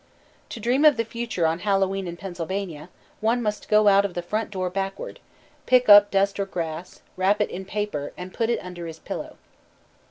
To dream of the future on Hallowe'en in Pennsylvania, one must go out of the front door backward, pick up dust or grass, wrap it in paper, and put it under his pillow.